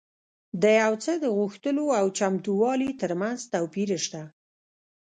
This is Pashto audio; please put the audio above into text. د يو څه د غوښتلو او چمتووالي ترمنځ توپير شته.